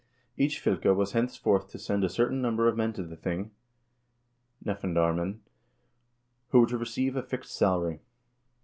Each fylke was henceforth to send a certain number of men to the thing (nefndarmenn) , who were to receive a fixed salary.